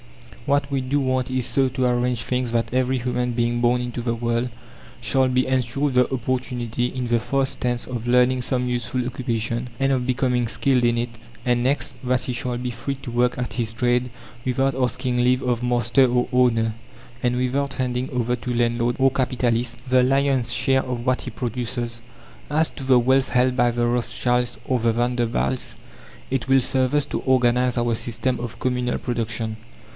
What we do want is so to arrange things that every human being born into the world shall be ensured the opportunity, in the first instance of learning some useful occupation, and of becoming skilled in it; and next, that he shall be free to work at his trade without asking leave of master or owner, and without handing over to landlord or capitalist the lion's share of what he produces. As to the wealth held by the Rothschilds or the Vanderbilts, it will serve us to organize our system of communal production.